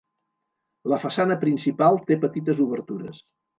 La façana principal té petites obertures.